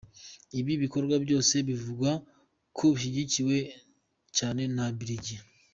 Ibi bikorwa byose bivugwa ko bishyigikiwe cyane na Brig.